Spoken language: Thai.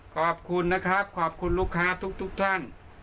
ขอบคุณนะครับขอบคุณลูกค้าทุกท่าน